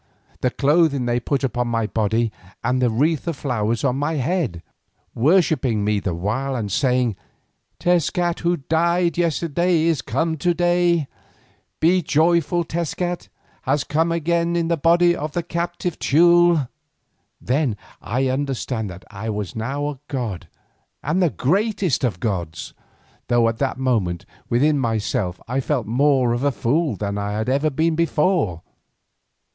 The clothing they put upon my body and the wreath of flowers on my head, worshipping me the while and saying, "Tezcat who died yesterday is come again. Be joyful, Tezcat has come again in the body of the captive Teule." Then I understood that I was now a god and the greatest of gods, though at that moment within myself I felt more of a fool than I had ever been before.